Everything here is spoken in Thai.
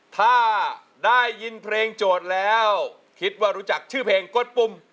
ถ้าได้ยินเพลงโจทย์แล้วคิดว่ารู้จักชื่อเพลงกดปุ่ม